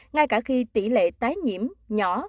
ngay cả khi tỷ lệ tái nhiễm nhỏ